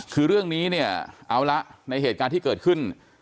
คือเรื่องนี้เนี่ยเอาละในเหตุการณ์ที่เกิดขึ้น